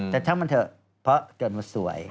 แต่ช่างมันเถอะเพราะเกิดมาสวย